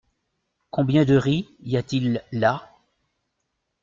Combien de riz y a-t-il là ?